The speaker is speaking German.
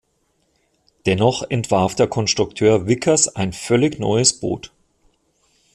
Dennoch entwarf der Konstrukteur Vickers ein völlig neues Boot.